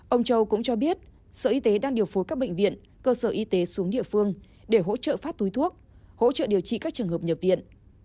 ông châu cũng cho biết sở y tế đang điều phối các bệnh viện cơ sở y tế xuống địa phương để hỗ trợ phát túi thuốc hỗ trợ điều trị các trường hợp nhập viện